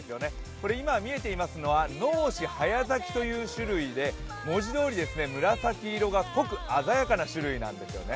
これ今、見えていますのは濃紫早咲きという種類で文字どおり紫色が濃く鮮やかな種類なんですね。